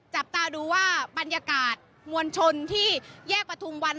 จับตาดูว่าบรรยากาศมวลชนที่แยกประทุมวัน